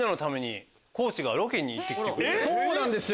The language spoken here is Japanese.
そうなんですよ！